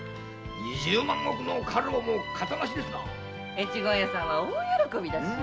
越後屋さんは大喜びだし。